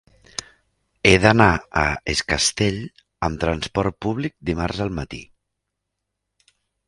He d'anar a Es Castell amb transport públic dimarts al matí.